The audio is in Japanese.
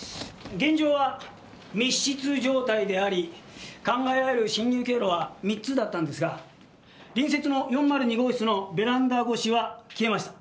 現場は密室状態であり考えられる侵入経路は３つだったんですが隣室の４０２号室のベランダ越しは消えました。